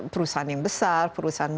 perusahaan yang besar perusahaan